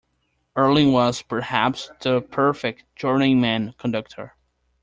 Ehrling was, perhaps, the perfect journeyman conductor.